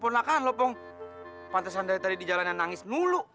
pernahkan lo pong pantesan dari tadi di jalannya nangis nulu